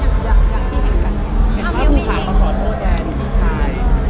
เห็นว่าตัวผู้ขาวมาขอโทษแทนที่ผู้ชาย